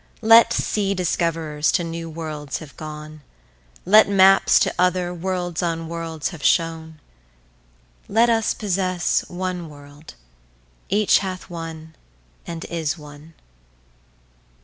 Let sea discoverers to new worlds have gone, Let Maps to other, worlds on worlds have showne, Let us possesse one world, each hath one, and is one.